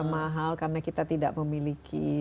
mahal karena kita tidak memiliki